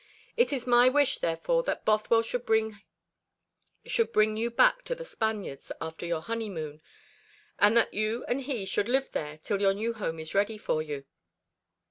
It is my wish, therefore, that Bothwell should bring you back to The Spaniards after your honeymoon, and that you and he should live there till your new home is ready for you.